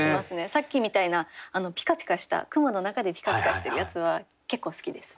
さっきみたいなピカピカした雲の中でピカピカしてるやつは結構好きです。